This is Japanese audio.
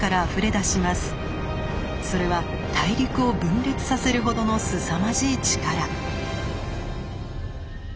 それは大陸を分裂させるほどのすさまじい力。